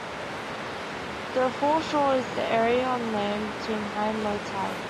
The foreshore is the area on land between high and low tide.